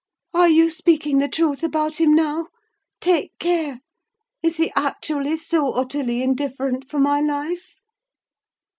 Are you speaking the truth about him now? Take care. Is he actually so utterly indifferent for my life?"